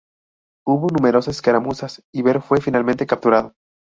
Hubo numerosas escaramuzas, y Ber fue finalmente capturado.